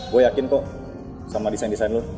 gue yakin kok sama desain desain lo